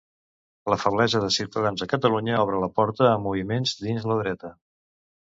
La feblesa de Ciutadans a Catalunya obre la porta a moviments dins la dreta.